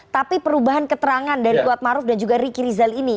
tapi perubahan keterangan dari kuap maruf dan juga ricky rizal ini